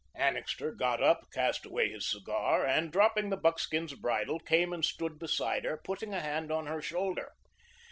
Annixter got up, cast away his cigar, and dropping the buckskin's bridle, came and stood beside her, putting a hand on her shoulder.